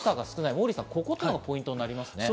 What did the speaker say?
モーリーさん、ここがポイントになりますね。